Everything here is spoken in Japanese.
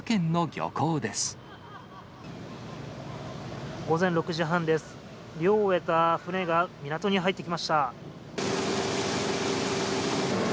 漁を終えた船が港に入ってきました。